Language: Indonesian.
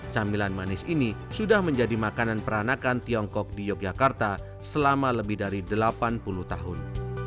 camilan manis ini sudah menjadi makanan peranakan tiongkok di yogyakarta selama lebih dari delapan puluh tahun